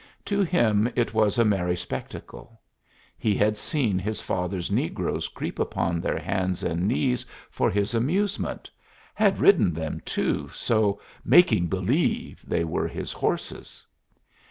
To him it was a merry spectacle. He had seen his father's negroes creep upon their hands and knees for his amusement had ridden them so, "making believe" they were his horses.